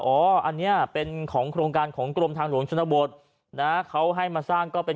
อ๋ออันนี้เป็นของโครงการของกรมทางหลวงชนบทนะเขาให้มาสร้างก็เป็น